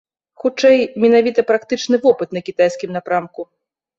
Хутчэй, менавіта практычны вопыт на кітайскім напрамку.